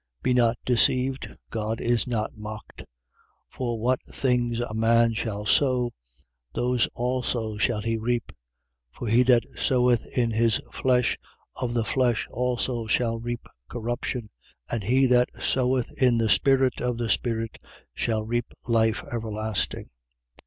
6:7. Be not deceived: God is not mocked. 6:8. For what things a man shall sow, those also shall he reap. For he that soweth in his flesh of the flesh also shall reap corruption. But he that soweth in the spirit of the spirit shall reap life everlasting.